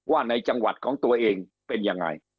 ว่าในจังหวัดของตัวเองเป็นยังไง